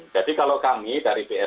jadi kalau kami dari bss